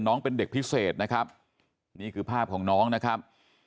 น้องเป็นเด็กพิเศษนะครับนี่คือภาพของน้องนะครับ